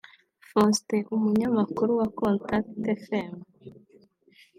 Faustin (umunyamakuru wa contact fm)